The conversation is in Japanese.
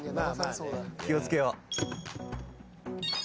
気を付けよう。